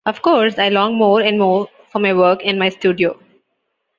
Of course, I long more and more for my work and my studio.